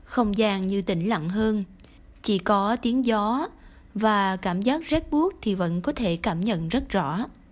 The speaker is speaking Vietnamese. không gian như tỉnh lặng hơn chỉ có tiếng gió và cảm giác rét bút thì vẫn có thể cảm nhận rất rõ